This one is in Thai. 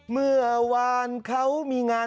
เมื่อวานเขามีงาน